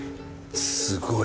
すごい。